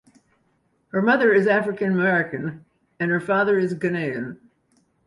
Her mother is African American and her father is Ghanaian.